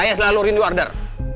saya selalu rindu order